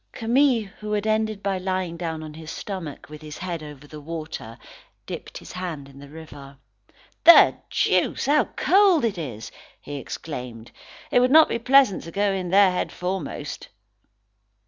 Camille, who had ended by lying down on his stomach, with his head over the water, dipped his hands in the river. "The deuce! How cold it is!" he exclaimed. "It would not be pleasant to go in there head foremost."